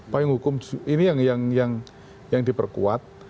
payung hukum ini yang diperkuat